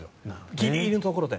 ギリギリのところで。